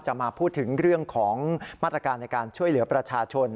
มาพูดถึงเรื่องของมาตรการในการช่วยเหลือประชาชน